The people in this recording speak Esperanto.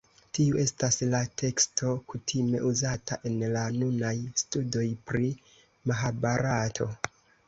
Tiu estas la teksto kutime uzata en la nunaj studoj pri Mahabarato.